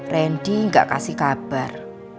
randy gak kasih kabar